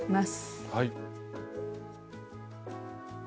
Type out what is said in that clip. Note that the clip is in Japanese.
はい。